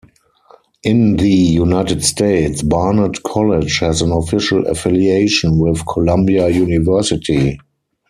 In the United States, Barnard College has an official affiliation with Columbia University.